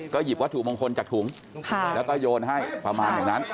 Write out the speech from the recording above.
หยิบวัตถุมงคลจากถุงแล้วก็โยนให้ประมาณอย่างนั้น